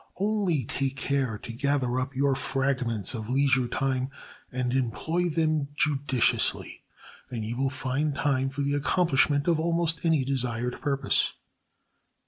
Only take care to gather up your fragments of leisure time, and employ them judiciously, and you will find time for the accomplishment of almost any desired purpose.